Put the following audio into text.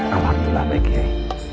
awal awal baik baik kiai